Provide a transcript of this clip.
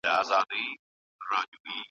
سيلانيانو بېلابېلې ټولني معرفي کړې.